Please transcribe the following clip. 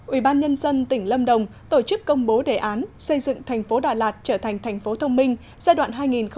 ủy ban nhân dân tỉnh lâm đồng tổ chức công bố đề án xây dựng thành phố đà lạt trở thành thành phố thông minh giai đoạn hai nghìn một mươi chín hai nghìn hai mươi năm